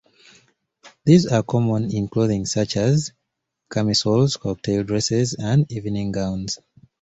These are common in clothing such as camisoles, cocktail dresses, and evening gowns.